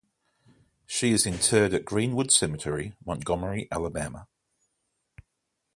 She is interred at Greenwood Cemetery, Montgomery, Alabama.